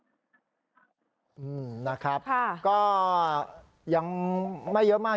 จากตอนแรกมีรถเคียงไม่สีฟัน